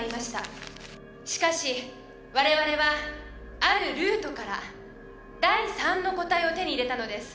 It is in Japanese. しかし我々はあるルートから第３の個体を手に入れたのです。